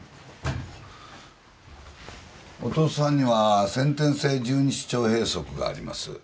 弟さんには先天性十二指腸閉塞があります